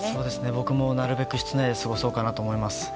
僕もなるべく室内で過ごそうと思います。